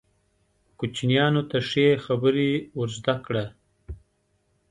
کوچنیانو ته ښې خبرې ور زده کړه.